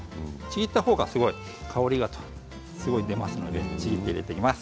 ちぎったほうが香りがすごい出ますので。